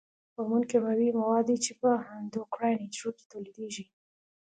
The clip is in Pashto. هورمون کیمیاوي مواد دي چې په اندوکراین حجرو کې تولیدیږي.